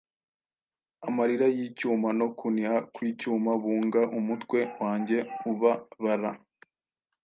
Amarira y'icyuma no kuniha kw'icyuma Bunga umutwe wanjye ubabara.